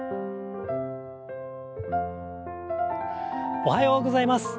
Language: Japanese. おはようございます。